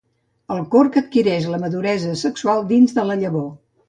El corc adquireix la maduresa sexual dins de la llavor.